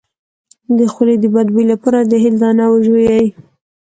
د خولې د بد بوی لپاره د هل دانه وژويئ